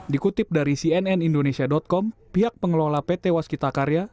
dikutip dari cnnindonesia com pihak pengelola pt waskita karya